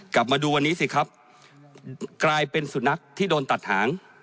กลับมาดูวันนี้สิครับกลายเป็นสุนัขที่โดนตัดหาง